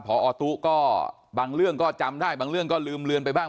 พอตู้ก็บางเรื่องก็จำได้บางเรื่องก็ลืมเลือนไปบ้าง